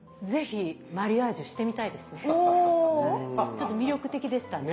ちょっと魅力的でしたね。